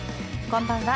こんばんは。